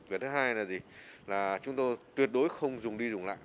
việc thứ hai là gì là chúng tôi tuyệt đối không dùng đi dùng lại